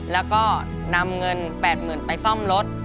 และก็นำเงิน๘หมื่นไปซ่อมรถ